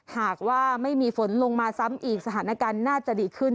หากว่าไม่มีฝนลงมาซ้ำอีกสถานการณ์น่าจะดีขึ้น